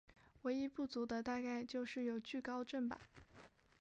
唯一不足的大概就是有惧高症吧。